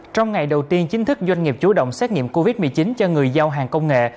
trong ngày đầu tiên chính thức doanh nghiệp chủ động xét nghiệm covid một mươi chín cho người giao hàng công nghệ